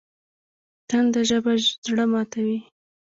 تنده ژبه زړه ماتوي